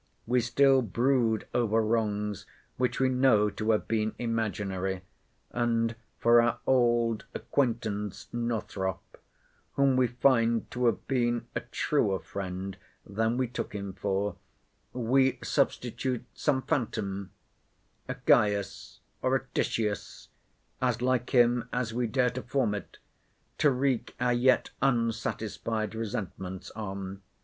We still brood over wrongs which we know to have been imaginary; and for our old acquaintance, N——, whom we find to have been a truer friend than we took him for, we substitute some phantom—a Caius or a Titius—as like him as we dare to form it, to wreak our yet unsatisfied resentments on.